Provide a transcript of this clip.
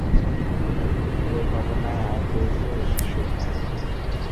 এ ঘটনায় আহত হয়েছে ওই শিশুর মা।